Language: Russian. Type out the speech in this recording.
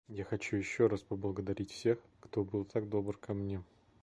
Я хочу еще раз поблагодарить всех, кто был так добр ко мне.